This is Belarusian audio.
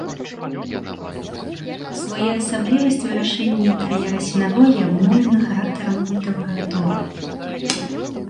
Своеасаблівасць вырашэння інтэр'ера сінагогі абумоўлена характарам культавага рытуалу.